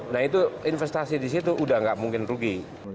nah itu investasi di situ sudah tidak mungkin rugi